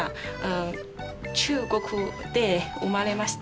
中国で生まれました。